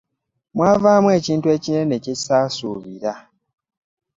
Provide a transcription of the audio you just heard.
Mwavaamu ekintu ekinene kye ssaasuubira.